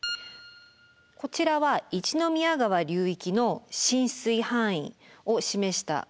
こちらは一宮川流域の浸水範囲を示したものです。